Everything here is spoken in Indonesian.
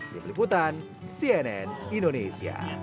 di peliputan cnn indonesia